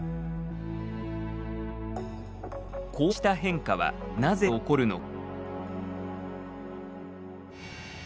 こうした変化はなぜ起こるのか。